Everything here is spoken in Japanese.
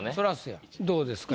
どうですか？